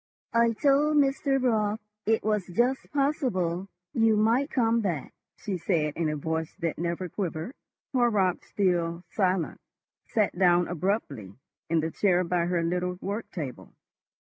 "I told Mr. Raut it was just possible you might come back," she said, in a voice that never quivered. Horrocks, still silent, sat down abruptly in the chair by her little work table.